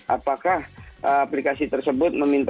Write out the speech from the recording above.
apakah aplikasi tersebut menetapkan